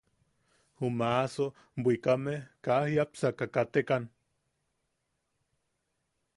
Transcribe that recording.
Ju maaso bwikame kaa jiapsaka katekan.